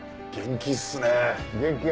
元気っすね。